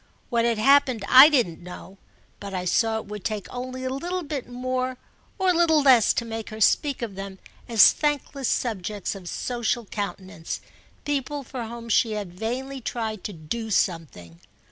What had happened I didn't know, but I saw it would take only a little more or a little less to make her speak of them as thankless subjects of social countenance—people for whom she had vainly tried to do something.